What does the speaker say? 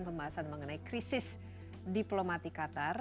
pembahasan mengenai krisis diplomati qatar